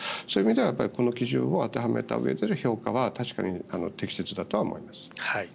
そういう意味ではこの基準を当てはめたうえでの評価は確かに適切だと思います。